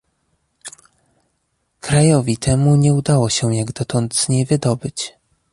Krajowi temu nie udało się jak dotąd z niej wydobyć